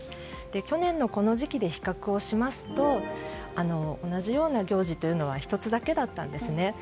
去年のこの時期で比較をしますと同じような行事というのは１つだけだったんですね。